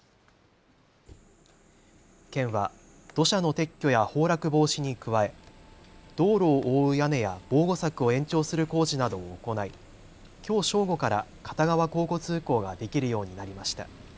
県は土砂の撤去や崩落防止に加え道路を覆う屋根や防護柵を延長する工事などを行いきょう正午から片側交互通行ができるようになりました。